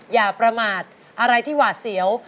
อย่าประมาทอะไรที่หวาดเสียว